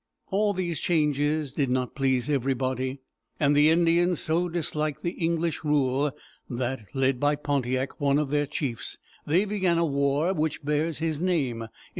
] All these changes did not please everybody, and the Indians so disliked the English rule that, led by Pon´ti ac, one of their chiefs, they began a war which bears his name (1763).